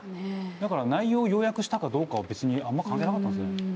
だから内容を要約したかどうかは別にあんま関係なかったんですね。